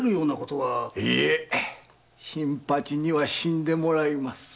いえ新八には死んでもらいます。